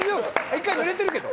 一回ぬれてるけど。